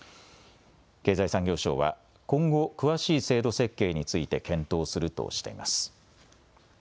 経済産業省は今後、詳しい制度設計について検討するとしています。